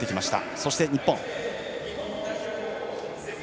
そして、日本。